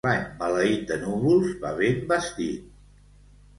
L'any maleït de núvols va ben vestit.